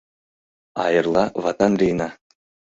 — А эрла ватан лийына.